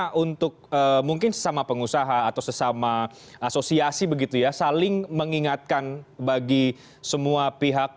bagaimana untuk mungkin sesama pengusaha atau sesama asosiasi begitu ya saling mengingatkan bagi semua pihak